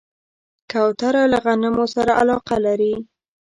کوتره له غنمو سره علاقه لري.